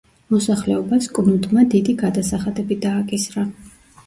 მოსახლეობას კნუდმა დიდი გადასახადები დააკისრა.